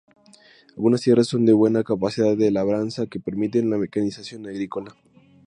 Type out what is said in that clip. Algunas tierras son de buena capacidad de labranza que permiten la mecanización agrícola.